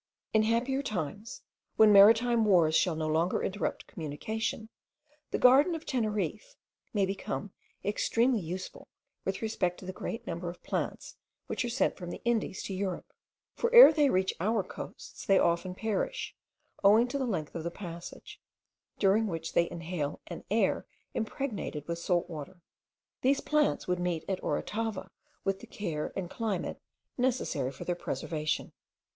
In happier times, when maritime wars shall no longer interrupt communication, the garden of Teneriffe may become extremely useful with respect to the great number of plants which are sent from the Indies to Europe; for ere they reach our coasts, they often perish, owing to the length of the passage, during which they inhale an air impregnated with salt water. These plants would meet at Orotava with the care and climate necessary for their preservation.